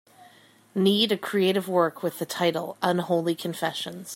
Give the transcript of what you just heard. Need a creative work with the title Unholy Confessions